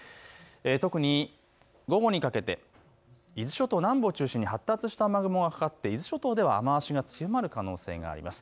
特に午後にかけて伊豆諸島南部を中心に発達した雨雲がかかって伊豆諸島では雨足が強まる可能性があります。